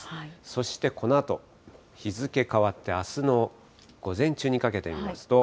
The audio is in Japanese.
そしてこのあと、日付変わってあすの午前中にかけて見ますと。